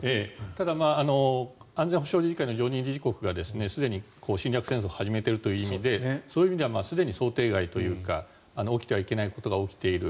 ただ、安全保障理事会の常任理事国がすでに侵略戦争を始めているという意味でそういう意味ではすでに想定外というか起きてはいけないことが起きている。